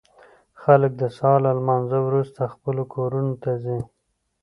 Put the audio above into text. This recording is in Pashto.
خلک د سهار له لمانځه وروسته خپلو کارونو ته ځي.